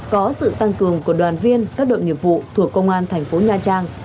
có sự tăng cường của đoàn viên các đội nghiệp vụ thuộc công an thành phố nha trang